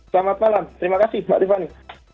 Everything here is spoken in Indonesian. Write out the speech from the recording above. selamat malam terima kasih pak rifani